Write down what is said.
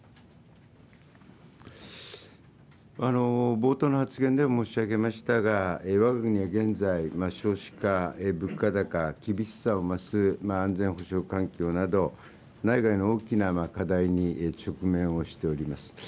冒頭の発言でも申し上げましたが、わが国は現在、少子化、物価高、厳しさを増す安全保障環境など、内外の大きな課題に直面をしております。